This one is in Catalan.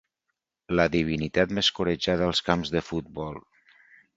La divinitat més corejada als camps de futbol.